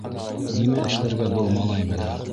Нимә эшләргә был малай менән!..